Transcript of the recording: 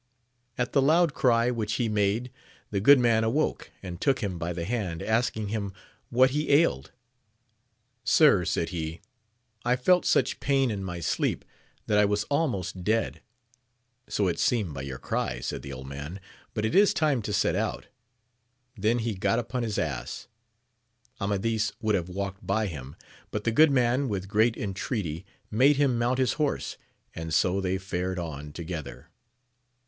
At the loud cry which he made the good man awoke, and took him by the hand, asking him what he ailed ? Sir, said he, I felt such pain in my sleep that I was almost dead. So it seemed by your cry, said the old man, but it is time to set out ; then he got upon his ass. Amadis would have walked by him, but the good man with great entreaty made him mount his horse, and so they fared on together.